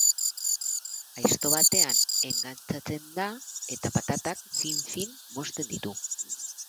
Aizto batean engantxatzen da eta patatak fin-fin mozten ditu.